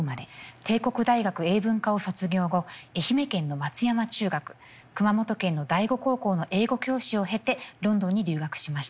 帝国大学英文科を卒業後愛媛県の松山中学熊本県の第五高校の英語教師を経てロンドンに留学しました。